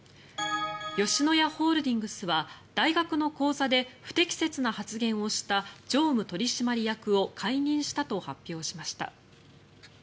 吉野家ホールディングスは大学の講座で不適切な発言をした常務取締役を解任したと発表しました。